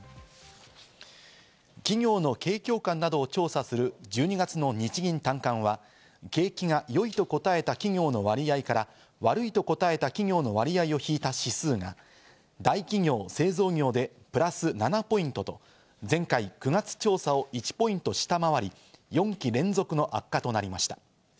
企業の景況感などを調査する１２月の日銀短観は景気が良いと答えた企業の割合から悪いと答えた企業の割合を引いた指数が大企業・製造業でプラス７ポイントと前回、９月調査を１ポイント下回り、４期連続の悪化となりました。